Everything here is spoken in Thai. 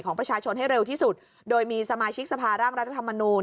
ของประชาชนให้เร็วที่สุดโดยมีสมาชิกสภาร่างรัฐธรรมนูล